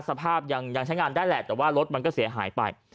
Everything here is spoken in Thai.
สภาพยังใช้งานได้แหละแต่ว่ารถมันก็เสียหายไป